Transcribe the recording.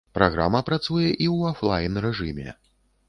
Праграма працуе і ў афлайн-рэжыме.